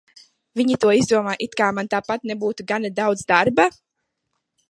Viņi to izdomā, it kā man tāpat nebūtu gana daudz darba?